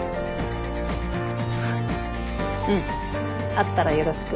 会ったらよろしく。